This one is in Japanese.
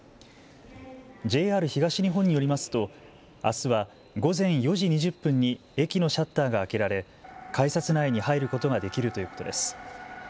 ＪＲ東日本によりますとあすは午前４時２０分に駅のシャッターが開けられ改札内に入ることができるということです。